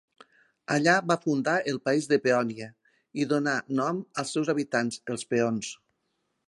Allà va fundar el país de Peònia, i donà nom als seus habitants, els peons.